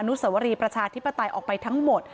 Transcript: สวรีประชาธิปไตยออกไปทั้งหมด